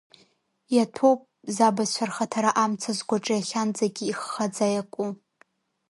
Иаҭәоуп забацәа рхаҭара амца згәаҿы иахьанӡагьы иххаӡа иаку.